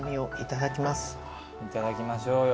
いただきましょうよ。